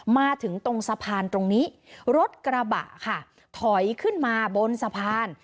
มาถึงตรงสะพานตรงนี้รถกระบะค่ะถอยขึ้นมาบนสะพาน